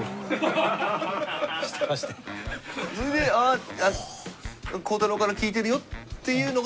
それで「あっ孝太郎から聞いてるよ」っていうのが。